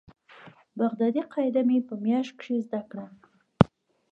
بغدادي قاعده مې په مياشت کښې زده کړه.